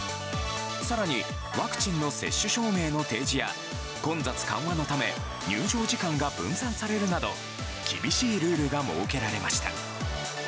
更にワクチンの接種証明の提示や混雑緩和のため入場時間が分散されるなど厳しいルールが設けられました。